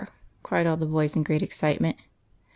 cried all the boys in great excitement at once.